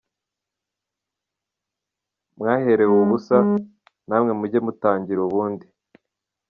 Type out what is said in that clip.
Mwaherewe ubusa, namwe mujye mutangira ubundi.